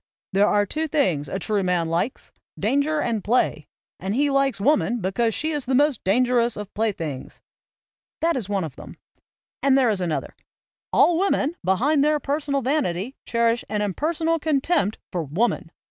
"There are two things a true man likes, danger and play; and he likes woman because she is the most danger ous of playthings." That is one of them, and there is another: "All women behind their per sonal vanity cherish an impersonal contempt for Woman."